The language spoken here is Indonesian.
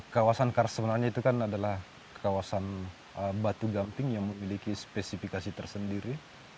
kawasan kars sebenarnya itu kan adalah kawasan batu gamping yang memiliki spesifikasi tersendiri